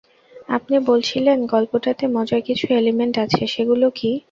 আপনি বলছিলেন গল্পটাতে মজার কিছু এলিমেন্ট আছে, সেগুলো কী?